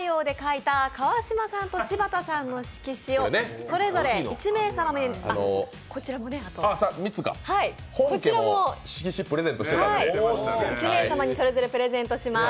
王で書いた川島さんと柴田さんと盛山さんの色紙を１名様にそれぞれプレゼントします。